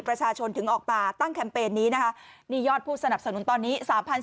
ประชาชนถึงออกมาตั้งแคมเปญนี้นะคะนี่ยอดผู้สนับสนุนตอนนี้